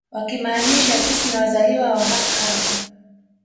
Wakimaanisha sisi ni wazaliwa wa hapa hapa